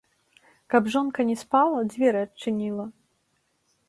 Каб жонка не спала, дзверы адчыніла.